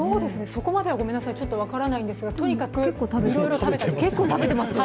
そこまでは分からないんですが、とにかく、いろいろ食べてます。